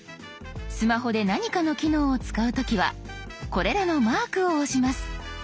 スマホで何かの機能を使う時はこれらのマークを押します。